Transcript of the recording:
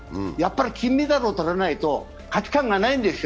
金メダルを取れないと価値観がないんですよ。